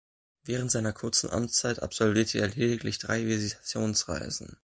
Während seiner kurzen Amtszeit absolvierte er lediglich drei Visitationsreisen.